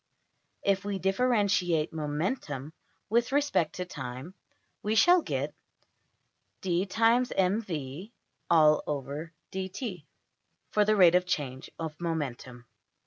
If we differentiate momentum with respect to time we shall get~$\dfrac{d(mv)}{dt}$ for the rate of change of momentum.